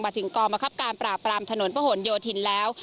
มาถึงกรมคับการปราบปรามถนนประหลโยธินแล้ว